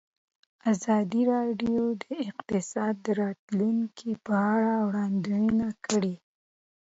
ازادي راډیو د اقتصاد د راتلونکې په اړه وړاندوینې کړې.